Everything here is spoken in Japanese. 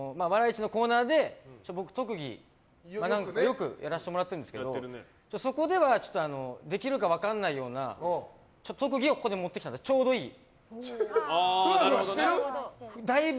市のコーナーで僕、特技をよくやらせてもらってるんですけどそこではできるか分からないような特技をここに持ってきたのでちょうどいい。